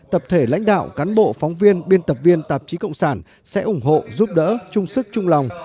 tập thể lãnh đạo cán bộ phóng viên biên tập viên tạp chí cộng sản sẽ ủng hộ giúp đỡ chung sức chung lòng